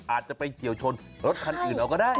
อาจจะไปเฉียวชนรถคันอื่นเอาก็ได้